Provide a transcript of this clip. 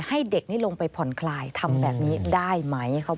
ให้เด็กนี้ลงไปผ่อนคลายทำแบบนี้ได้ไหม